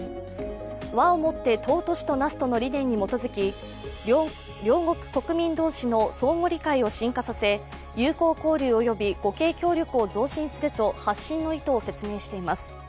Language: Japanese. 「和を以て貴しとなす」との理念に基づき、領国国民同士の相互理解を深化させ友好交流および互恵協力を増進すると発信の意図を説明しています。